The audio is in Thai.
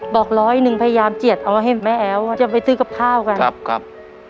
บอกร้อยหนึ่งพยายามเจียดเอาไว้ให้แม่แอ๋วว่าจะไปซื้อกับข้าวกันครับครับ